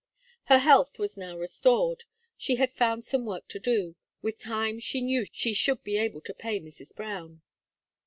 Her health was now restored. She had found some work to do; with time she knew she should be able to pay Mrs. Brown.